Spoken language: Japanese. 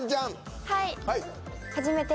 はい。